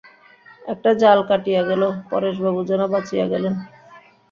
একটা জাল কাটিয়া গেল– পরেশবাবু যেন বাঁচিয়া গেলেন।